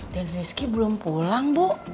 dan rizky belum pulang bu